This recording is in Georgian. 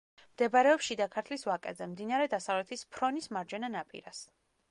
მდებარეობს შიდა ქართლის ვაკეზე, მდინარე დასავლეთის ფრონის მარჯვენა ნაპირას.